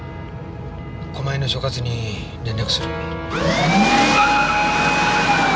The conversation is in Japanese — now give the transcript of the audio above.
狛江の所轄に連絡する。